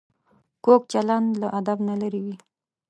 کوږ چلند له ادب نه لرې وي